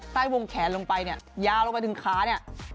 ใต้วงแขนลงไปเนี่ยยาวลงไปถึงขาเนี่ย